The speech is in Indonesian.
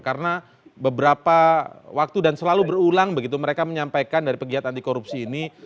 karena beberapa waktu dan selalu berulang begitu mereka menyampaikan dari pegiat anti korupsi ini